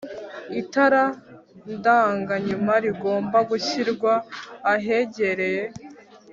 Itara ndanga nyuma rigomba gushyirwa ahegereye